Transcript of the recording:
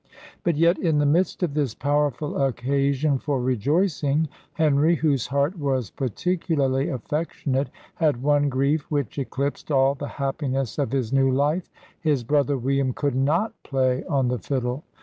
But yet, in the midst of this powerful occasion for rejoicing, Henry, whose heart was particularly affectionate, had one grief which eclipsed all the happiness of his new life; his brother William could not play on the fiddle!